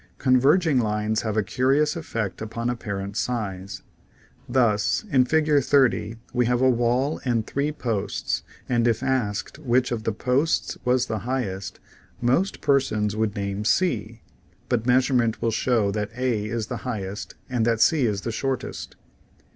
Converging lines have a curious effect upon apparent size. Thus in Fig. 30 we have a wall and three posts, and A V V A Fig. 28. Fig. 29. if asked which of the posts was the highest, most persons would name C, but measurement will show that A is the highest and that C is the shortest.